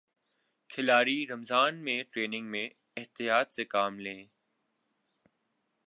کھلاڑی رمضان میں ٹریننگ میں احتیاط سے کام لیں